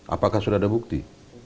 apakah sudah ada bukti